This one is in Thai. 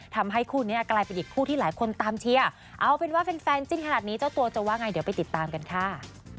ทำให้คู่นี้กลายเป็นอีกคู่ที่หลายคนตามเชียร์เอาเป็นว่าแฟนจิ้นขนาดนี้เจ้าตัวจะว่าไงเดี๋ยวไปติดตามกันค่ะ